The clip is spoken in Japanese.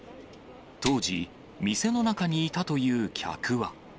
当時、店の中にいたという客は。